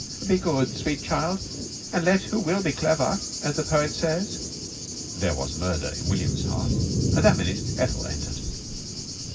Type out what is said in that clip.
"'Be good, sweet child, and let who will be clever,' as the poet says." There was murder in William's heart. At that minute Ethel entered.